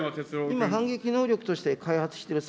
今、反撃能力として開発してる